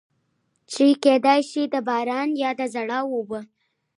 چې کېدے شي د بارانۀ يا د زړو اوبو